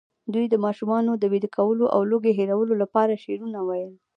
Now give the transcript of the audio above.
دوی د ماشومانو د ویده کولو او لوږې هېرولو لپاره شعرونه ویل.